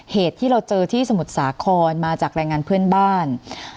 เหตุที่เราเจอที่สมุทรสาครมาจากแรงงานเพื่อนบ้าน